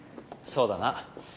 そうだな。